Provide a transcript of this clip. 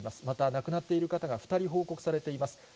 また亡くなっている方が２人報告されています。